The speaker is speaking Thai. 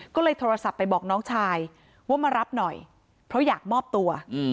ก็เลยโทรศัพท์ไปบอกน้องชายว่ามารับหน่อยเพราะอยากมอบตัว